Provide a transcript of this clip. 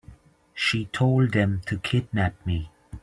She told them to kidnap me.